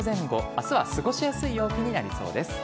明日は過ごしやすい陽気になりそうです。